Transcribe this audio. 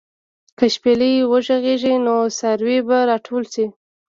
که شپېلۍ وغږېږي، نو څاروي به راټول شي.